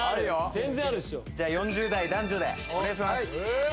全然あるっしょじゃあ４０代男女でお願いします